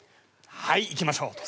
はい行きましょう」と。